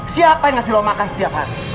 siapa yang ngasih lo makan setiap hari